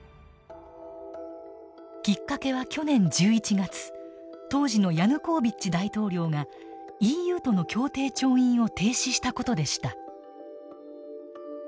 きっかけは去年１１月当時のヤヌコービッチ大統領がＥＵとの協定調印を停止した事でした。